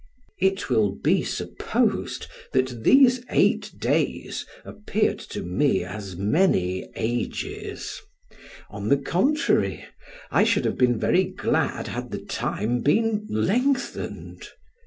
It will be supposed, that these eight days appeared to me as many ages; on the contrary, I should have been very glad had the time been lengthened.